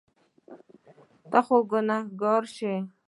ته خو ګناهګار شوې.